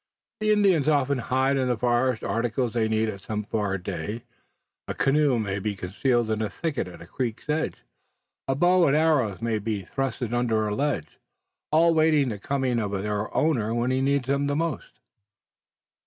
The Indians often hide in the forest articles they'll need at some far day. A canoe may be concealed in a thicket at the creek's edge, a bow and arrows may be thrust away under a ledge, all awaiting the coming of their owner when he needs them most."